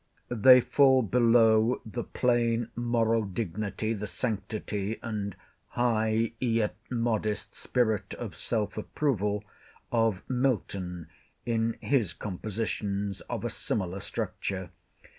They fall below the plain moral dignity, the sanctity, and high yet modest spirit of self approval, of Milton, in his compositions of a similar structure.